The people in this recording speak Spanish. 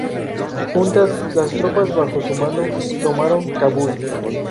Juntas, las tropas bajo su mando tomaron Kabul.